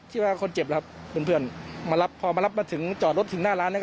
ว่าคนเจ็บล่ะครับเพื่อนมารับพอมารับมาถึงจอดรถถึงหน้าร้านเนี่ย